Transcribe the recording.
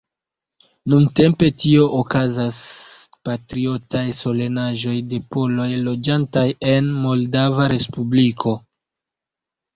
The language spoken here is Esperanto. Nuntempe tie okazas patriotaj solenaĵoj de poloj loĝantaj en Moldava Respubliko.